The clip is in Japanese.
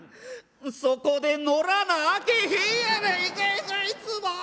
「そこでのらなあけへんやないかいいつも！